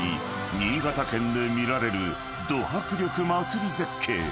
［新潟県で見られるド迫力祭り絶景］